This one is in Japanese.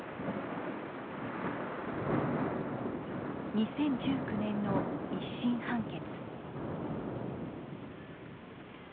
２０１９年の１審判決。